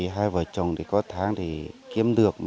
hai vợ chồng có tháng thì kiếm được